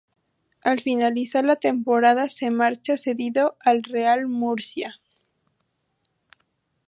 Al finalizar la temporada se marcha cedido al Real Murcia.